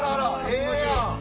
ええやん。